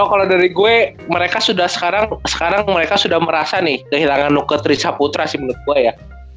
kalo dari gue mereka sekarang sudah merasa nih kehilangan nuker trisha putra sih menurut gue ya